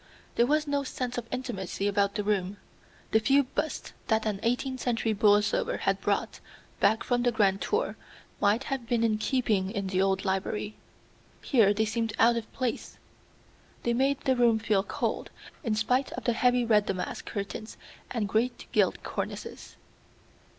There was no sense of intimacy about the room. The few busts that an eighteenth century Borlsover had brought back from the grand tour, might have been in keeping in the old library. Here they seemed out of place. They made the room feel cold, in spite of the heavy red damask curtains and great gilt cornices.